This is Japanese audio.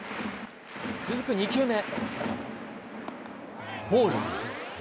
続く２球目。